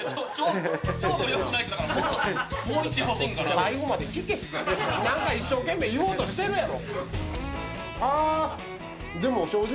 最後まで聞けってなんか、一生懸命言おうとしてるやろ！